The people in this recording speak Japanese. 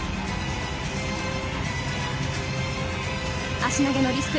足投げのリスク。